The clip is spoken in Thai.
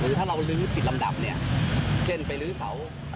ถ้าเราลื้อผิดลำดับเนี่ยเช่นไปลื้อเสา